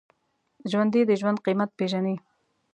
ژوندي د ژوند قېمت پېژني